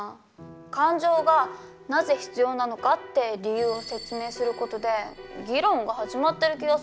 感情がなぜ必要なのかって理由を説明する事で議論が始まってる気がするんだけど。